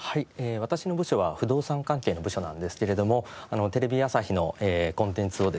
私の部署は不動産関係の部署なんですけれどもテレビ朝日のコンテンツをですね